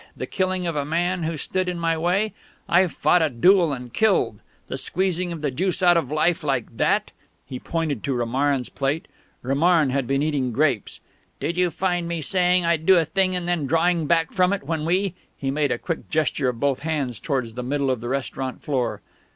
The killing of a man who stood in my way? (I've fought a duel, and killed.) The squeezing of the juice out of life like that?" He pointed to Romarin's plate; Romarin had been eating grapes. "Did you find me saying I'd do a thing and then drawing back from it when we " he made a quick gesture of both hands towards the middle of the restaurant floor.